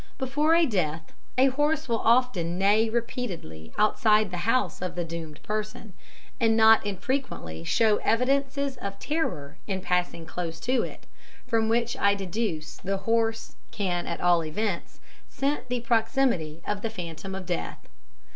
Before a death a horse will often neigh repeatedly outside the house of the doomed person, and not infrequently show evidences of terror in passing close to it, from which I deduce the horse can at all events scent the proximity of the phantom of death.